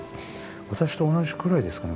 私と同じくらいですかね？